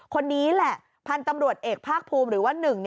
คนนี้แหละพันธุ์ตำรวจเอกภาคภูมิหรือว่า๑